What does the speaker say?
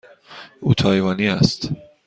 او تایوانی است.